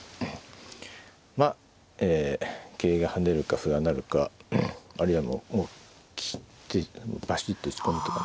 まあ桂が跳ねるか歩が成るかあるいはもう切ってバシッと打ち込むとかね。